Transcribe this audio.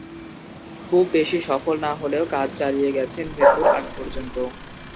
খুব বেশি সফল না হলেও কাজ চালিয়ে গেছেন মৃত্যুর আগ পর্যন্ত।